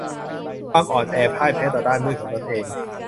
ความอ่อนแอพ่ายแพ้ต่อด้านมืดของตัวเอง